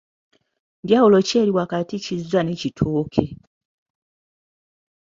Njawulo ki eri wakati Kizza ne Kitooke?